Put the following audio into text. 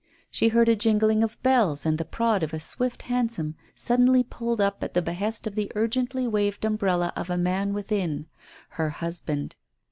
She heard a jingling of bells and the prod of a swift hansom suddenly pulled up at the behest of the urgently waved umbrella of a man within — her husband.